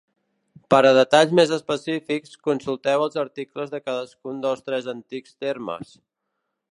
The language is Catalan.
Per a detalls més específics, consulteu els articles de cadascun dels tres antics termes.